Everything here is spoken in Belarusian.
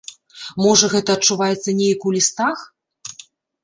Можа, гэта адчуваецца неяк у лістах?